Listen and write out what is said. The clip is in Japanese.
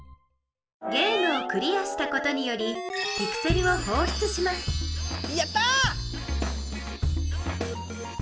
ゲームをクリアしたことによりピクセルをほうしゅつしますやった！